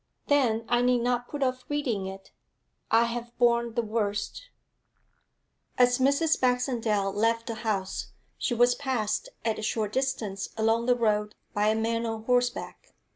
'Then I need not put off reading it. I have borne the worst.' As Mrs. Baxendale left the house, she was passed at a short distance along the road by a man on horseback.